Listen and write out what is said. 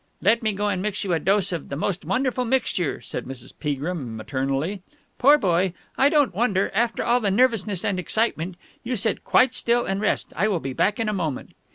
"Let me go and mix you a dose of the most wonderful mixture," said Mrs. Peagrim maternally. "Poor boy! I don't wonder, after all the nervousness and excitement.... You sit quite still and rest. I will be back in a moment."